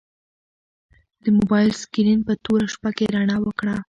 د موبایل سکرین په توره شپه کې رڼا وکړه.